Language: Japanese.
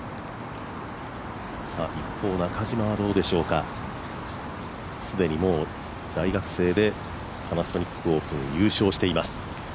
一方、中島はどうでしょうか既にもう大学生でパナソニックオープンを優勝しています。